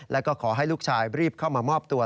แล้วก็ขอให้ลูกชายรีบเข้ามามอบตัว